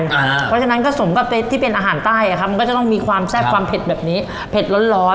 เพราะฉะนั้นผสมกับที่เป็นอาหารใต้มันก็จะต้องมีความแซ่บความเผ็ดแบบนี้เผ็ดร้อน